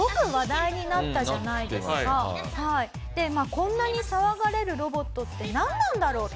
こんなに騒がれるロボットってなんなんだろうと。